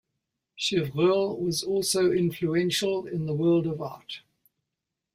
Chevreul was also influential in the world of art.